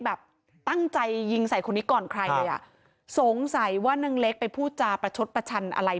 แบบตั้งใจยิงใส่คนนี้ก่อนใครเลยอ่ะสงสัยว่านางเล็กไปพูดจาประชดประชันอะไร